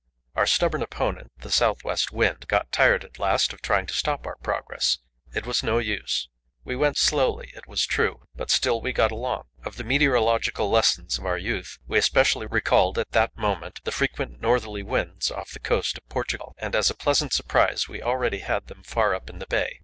Our stubborn opponent, the south west wind, got tired at last of trying to stop our progress; it was no use. We went slowly, it was true, but still we got along. Of the meteorological lessons of our youth, we especially recalled at that moment the frequent northerly winds off the coast of Portugal, and as a pleasant surprise we already had them far up in the Bay.